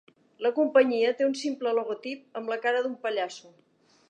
La companyia té un simple logotip amb la cara d'un pallasso.